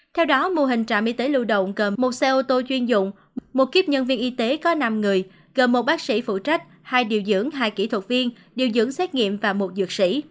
theo đó mô hình trạm y tế lưu động gồm một xe ô tô chuyên dụng một kíp nhân viên y tế có năm người gồm một bác sĩ phụ trách hai điều dưỡng hai kỹ thuật viên điều dưỡng xét nghiệm và một dược sĩ